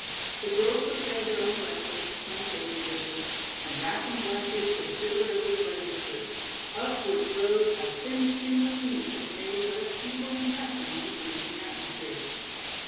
The girls prepared their own breakfasts on chafing dishes, and wrapped in blankets they shivered over the registers, up which rose a thin stream of heat that made but a feeble impression on the freezing atmosphere.